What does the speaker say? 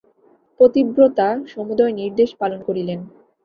পতিব্রতা সমুদয় নির্দেশ পালন করিলেন।